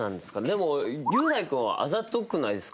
でも雄大君はあざとくないですか？